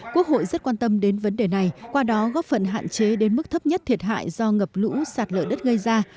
quốc hội rất quan tâm đến vấn đề này qua đó góp phần hạn chế đến mức thấp nhất thiệt hại do ngập lũ sạt lở đất gây ra